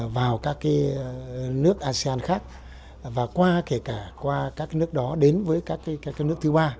vào các nước asean khác và qua kể cả qua các nước đó đến với các nước thứ ba